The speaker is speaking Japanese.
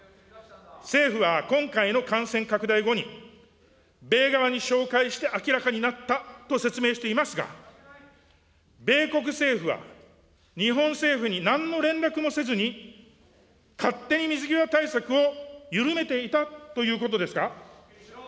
政府は今回の感染拡大後に、米側に照会して明らかになったと説明していますが、米国政府は、日本政府になんの連絡もせずに勝手に水際対策を緩めていたということですか。